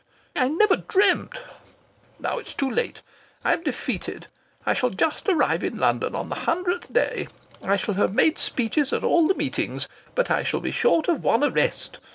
I never dreamt ! Now it's too late. I am defeated! I shall just arrive in London on the hundredth day. I shall have made speeches at all the meetings. But I shall be short of one arrest.